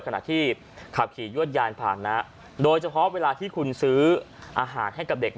ขณะที่ขับขี่ยวดยานผ่านนะโดยเฉพาะเวลาที่คุณซื้ออาหารให้กับเด็ก